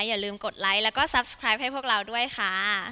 อย่าลืมกดไลค์แล้วก็ซัพสไลด์ให้พวกเราด้วยค่ะ